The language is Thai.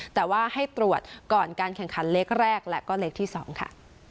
แต่ว่าให้ตรวจก่อนการแข่งขันเล็กแรกและก็เลขที่๒ค่ะ